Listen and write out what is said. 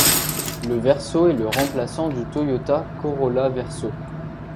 Le Verso est le remplaçant du Toyota Corolla Verso.